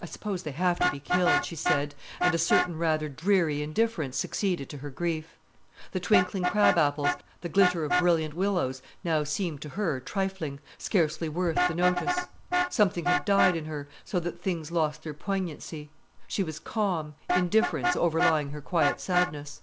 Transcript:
"I suppose they have to be killed," she said, and a certain rather dreary indifference succeeded to her grief. The twinkling crab apples, the glitter of brilliant willows now seemed to her trifling, scarcely worth the notice. Something had died in her, so that things lost their poignancy. She was calm, indifference overlying her quiet sadness.